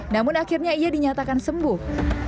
namun akhirnya ia dinyatakan sembuh